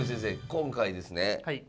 今回ですね